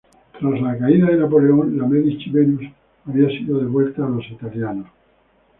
Tras la caída de Napoleón, la "Medici Venus" había sido devuelta a los italianos.